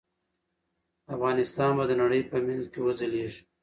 افغانستان به د نړۍ په منځ کې وځليږي.